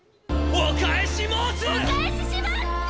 お返しします。